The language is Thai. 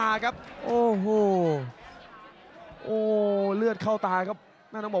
หยับเข้ามาโอ้โห